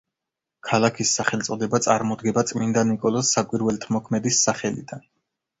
ქალაქის სახელწოდება წარმოდგება წმინდა ნიკოლოზ საკვირველთმოქმედის სახელიდან.